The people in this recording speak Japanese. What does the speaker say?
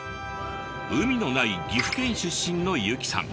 海のない岐阜県出身の由起さん。